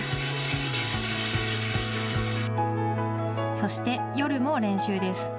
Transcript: そして、夜も練習です。